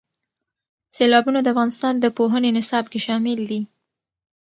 سیلابونه د افغانستان د پوهنې نصاب کې شامل دي.